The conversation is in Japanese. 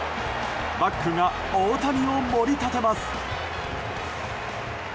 バックが大谷を盛り立てます。